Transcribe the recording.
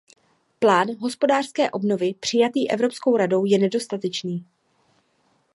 Plán hospodářské obnovy přijatý Evropskou radou je nedostatečný.